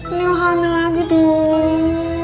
ini mau hamil lagi dong